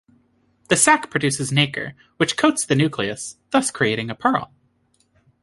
The sack produces nacre, which coats the nucleus, thus creating a pearl.